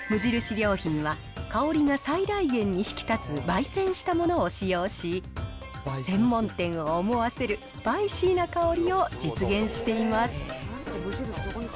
良品は、香りが最大限に引き立つばい煎したものを使用し、専門店を思わせるスパイシーな香りを実現しています。